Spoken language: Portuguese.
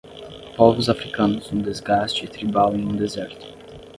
Povos africanos no desgaste tribal em um deserto.